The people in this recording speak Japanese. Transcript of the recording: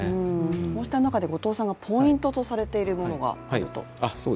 こうした中で、後藤さんがポイントとされているものがあると。